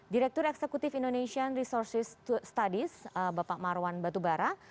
direktur eksekutif indonesian resources studies bapak marwan batubara